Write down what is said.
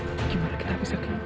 gimana kita bisa ke dunia